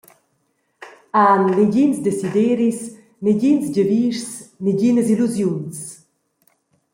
Han negins desideris, negins giavischs, neginas illusiuns.